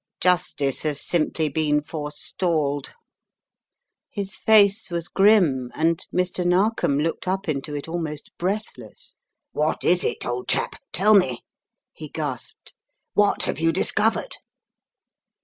Justice has simply been forestalled " His face was grim and Mr. Narkom looked up into it almost breathless. "What is it, old chap; tell me?" he gasped. "What have you discovered?"